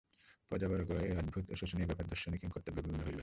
প্রজাবর্গ এই অদ্ভুত ও শোচনীয় ব্যাপার-দর্শনে কিংকর্তব্যবিমূঢ় হইল।